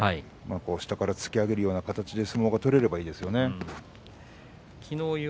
下から突き上げるような相撲が取れればいいですね。